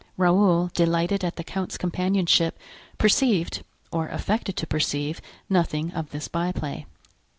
Raoul, delighted at the count's companionship, perceived, or affected to perceive nothing of this byplay.